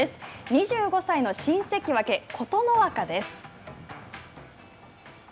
２５歳の新関脇琴ノ若です。